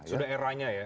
sudah eranya ya